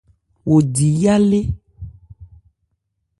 Wo di yá lé.